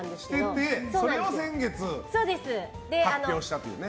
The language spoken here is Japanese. してて、それを先月発表したというね。